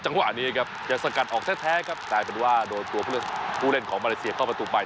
จังหวะนี้ครับจะสกัดออกแท้ครับแต่ก็เป็นว่าโดยตัวผู้เล่นของแบร์ไลเซียเข้าเป้าตัวไป